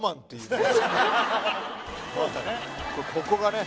ここがね。